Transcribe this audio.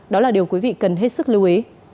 đó là điều quý vị cần hết sức lưu ý